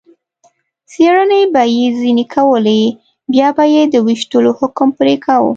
څېړنې به یې ځنې کولې، بیا به یې د وېشتلو حکم پرې کاوه.